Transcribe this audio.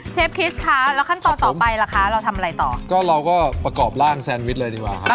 คริสคะแล้วขั้นตอนต่อไปล่ะคะเราทำอะไรต่อก็เราก็ประกอบร่างแซนวิชเลยดีกว่าครับ